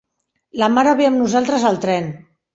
La mare ve amb nosaltres al tren.